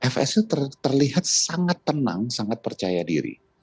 fs itu terlihat sangat tenang sangat percaya diri